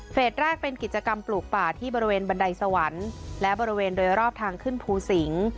แรกเป็นกิจกรรมปลูกป่าที่บริเวณบันไดสวรรค์และบริเวณโดยรอบทางขึ้นภูสิงศ์